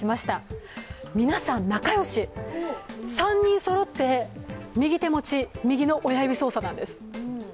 皆さん、仲良し３人そろって右手持ち右の親指操作なんです。